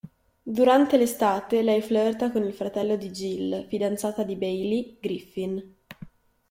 Durante l'estate lei flirta con il fratello di Jill, fidanzata di Bailey, Griffin.